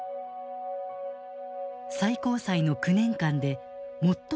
最高裁の９年間で最も長い期間